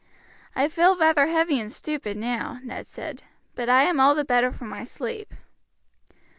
"I feel rather heavy and stupid now," Ned said, "but I am all the better for my sleep.